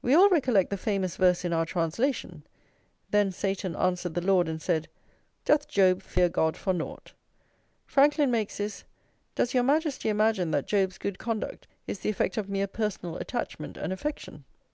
We all recollect the famous verse in our translation: "Then Satan answered the Lord and said: 'Doth Job fear God for nought?'" Franklin makes this: "Does Your Majesty imagine that Job's good conduct is the effect of mere personal attachment and affection?"